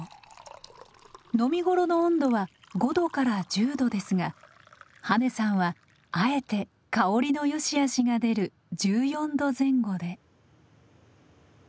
飲み頃の温度は５度から１０度ですが羽根さんはあえて香りのよしあしが出る１４度前後で。